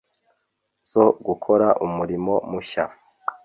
zo gukora umurimo mushya.